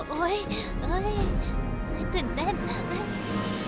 โอ้ยตื่นเต้น